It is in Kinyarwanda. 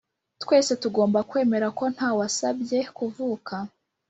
twese tugomba kwemera ko ntawasabye kuvuka